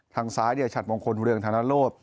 ทางซ้ายฉัดมงคลเรืองธนโลภ